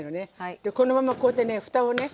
このままこうやってねふたをね